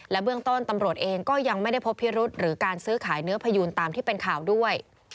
เบื้องต้นตำรวจเองก็ยังไม่ได้พบพิรุษหรือการซื้อขายเนื้อพยูนตามที่เป็นข่าวด้วย